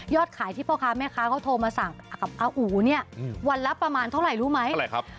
ขายที่พ่อค้าแม่ค้าเขาโทรมาสั่งกับอาอู๋เนี่ยวันละประมาณเท่าไหร่รู้ไหมเท่าไหร่ครับ